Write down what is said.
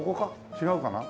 違うかな？